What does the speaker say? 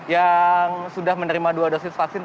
yang sudah menerima dua dosis vaksin